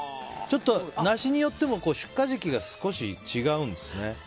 ナシによっても出荷時期が少し違うんですね。